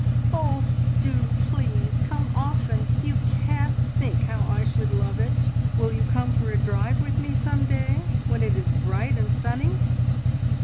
"Oh, do, please! Come often! You can't think how I should love it. Will you come for a drive with me some day, when it is bright and sunny?"